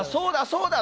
そうだ！